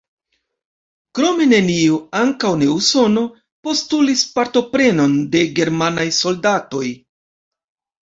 Krome neniu, ankaŭ ne Usono, postulis partoprenon de germanaj soldatoj.